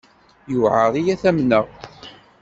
Yuɛer-iyi ad t-amneɣ.